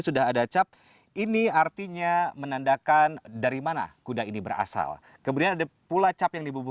lalu panjang badan juga lebih pendek